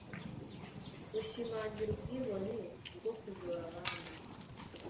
Bushimangira ubwibone bwo kujora abandi